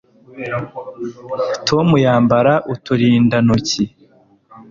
Tom yambara uturindantoki